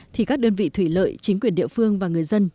thì các đơn vị thủy lợi chính quyền địa phương và người dân